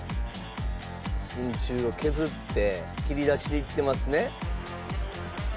真鍮を削って切り出していってますね。